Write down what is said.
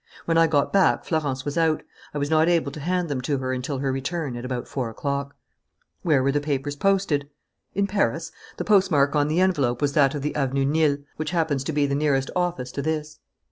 When I got back, Florence was out. I was not able to hand them to her until her return, at about four o'clock." "Where were the papers posted?" "In Paris. The postmark on the envelope was that of the Avenue Niel, which happens to be the nearest office to this."